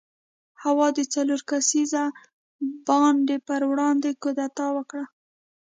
هوا د څلور کسیز بانډ پر وړاندې کودتا وکړه.